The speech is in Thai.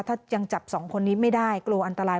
ถ้ายังจับสองคนนี้ไม่ได้กลัวอันตราย